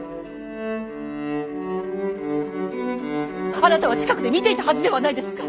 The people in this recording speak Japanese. あなたは近くで見ていたはずではないですか！